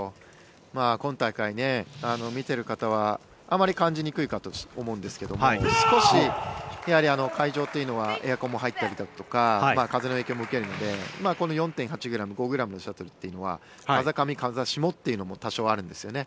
今大会、見ている方はあまり感じにくいかと思うんですが少しやはり会場というのはエアコンが入ったりとか風の影響もうけるので４．８ｇ５ｇのシャトルというのは風上、風下というのも多少あるんですよね。